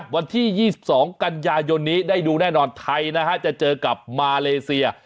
วันที่๒๒กันยายนนี้ได้ดูแน่นอนไทยนะฮะจะเจอกับมาเลเซีย